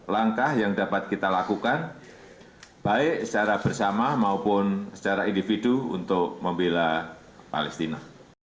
langkah yang dapat kita lakukan baik secara bersama maupun secara individu untuk membela palestina